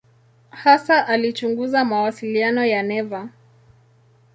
Hasa alichunguza mawasiliano ya neva.